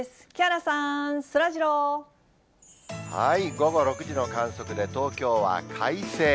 午後６時の観測で、東京は快晴。